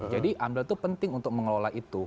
jadi amdal itu penting untuk mengelola itu